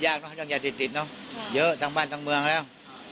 เรื่องยาเสพติดเนอะเยอะทั้งบ้านทั้งเมืองแล้ว